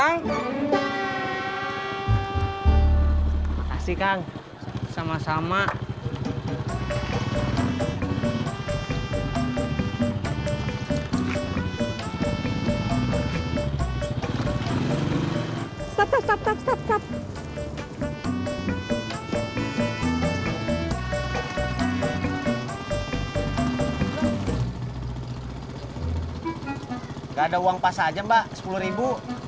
nggak ada uang pas aja mbak sepuluh ribu